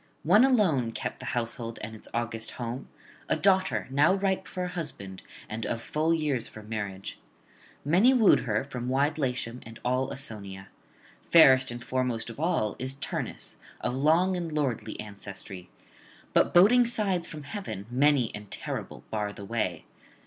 One alone kept the household and its august home, a daughter now ripe for a husband and of full years for marriage. Many wooed her from wide Latium and all Ausonia. Fairest and foremost of all [56 93]is Turnus, of long and lordly ancestry; but boding signs from heaven, many and terrible, bar the way.